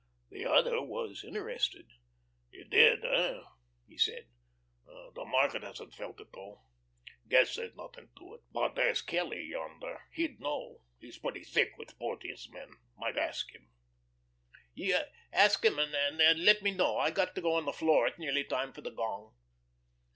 The other was interested. "He did, hey?" he said. "The market hasn't felt it, though. Guess there's nothing to it. But there's Kelly yonder. He'd know. He's pretty thick with Porteous' men. Might ask him." "You ask him and let me know. I got to go on the floor. It's nearly time for the gong."